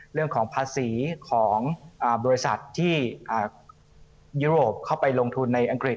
เรื่องของภาษีของบริษัทที่ยุโรปเข้าไปลงทุนในอังกฤษ